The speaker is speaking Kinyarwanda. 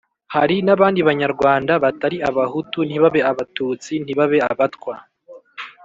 Hari n'abandi Banyarwanda batari Abahutu ntibabe Abatutsi, ntibabe Abatwa: